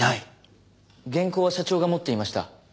原稿は社長が持っていました。